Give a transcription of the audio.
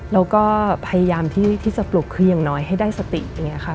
แล้วก็พยายามที่จะปลุกคืออย่างน้อยให้ได้สติอย่างนี้ค่ะ